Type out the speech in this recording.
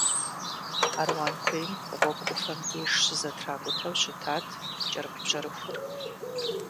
Аруан куейм гъуэгу ӏуфэм деж щызэтракӏутэу щытат кӏэрыхубжьэрыхур.